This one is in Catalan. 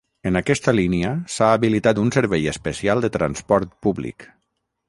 En aquesta línia, s’ha habilitat un servei especial de transport públic.